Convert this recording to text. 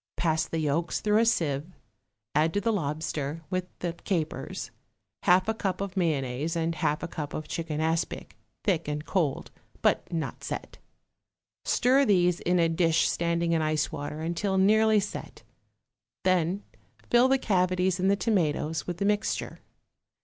Pass the yolks through a sieve, add to the lobster, with the capers, half a cup of mayonnaise and half a cup of chicken aspic, thick and cold, but not set; stir these in a dish standing in ice water until nearly set; then fill the cavities in the tomatoes with the mixture.